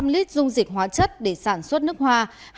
năm trăm linh lít dung dịch hóa chất để sản xuất nước hoa